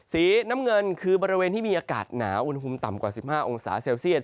สีน้ำเงินคือบริเวณที่มีอากาศหนาวอุณหภูมิต่ำกว่า๑๕องศาเซลเซียต